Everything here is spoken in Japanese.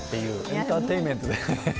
エンターテインメントで。